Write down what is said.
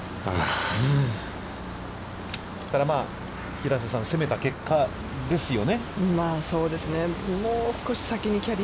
平瀬さん、攻めた結果ですよね。